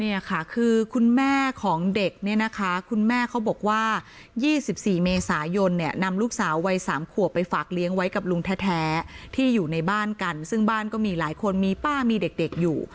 เนี่ยค่ะคือคุณแม่ของเด็กเนี่ยนะคะคุณแม่เขาบอกว่า๒๔เมษายนเนี่ยนำลูกสาววัย๓ขวบไปฝากเลี้ยงไว้กับลุงแท้ที่อยู่ในบ้านกันซึ่งบ้านก็มีหลายคนมีป้ามีเด็กอยู่